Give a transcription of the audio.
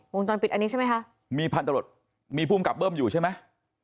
วงจรปิดอันนี้ใช่ไหมคะมีพันตรวจมีภูมิกับเบิ้มอยู่ใช่ไหม